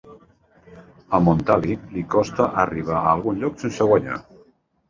A Montali li costa arribar a algun lloc sense guanyar.